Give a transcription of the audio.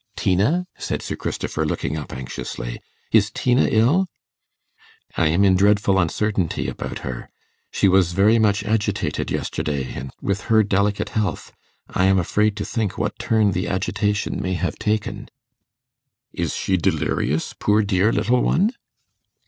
'Tina?' said Sir Christopher, looking up anxiously 'is Tina ill?' 'I am in dreadful uncertainty about her. She was very much agitated yesterday and with her delicate health I am afraid to think what turn the agitation may have taken.' 'Is she delirious, poor dear little one?